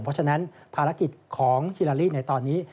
เพราะฉะนั้นภารกิจของฮิลาลีในตอนนี้